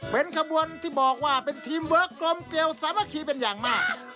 เป็นขบวนที่บอกว่าเป็นทีมเวิร์คกลมเกลียวสามัคคีเป็นอย่างมาก